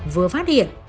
vừa phát hiện